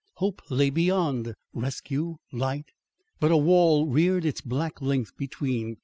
Hope lay beyond, rescue, light. But a wall reared its black length between.